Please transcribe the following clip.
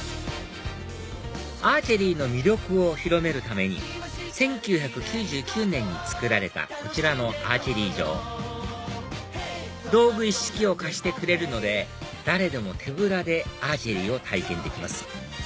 アーチェリーの魅力を広めるために１９９９年に造られたこちらのアーチェリー場道具一式を貸してくれるので誰でも手ぶらでアーチェリーを体験できます